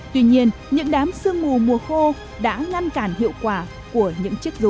tuy nhiên những đám sương mù mùa khô đã ngăn cản hiệu quả của những chiếc rù